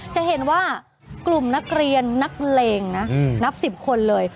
จะเห็นว่ากลุ่มนักเรียนนักเลงนะนับ๑๐คนเลย